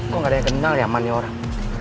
kok gak ada yang kenal ya mani orang